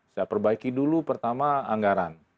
saya perbaiki dulu pertama anggaran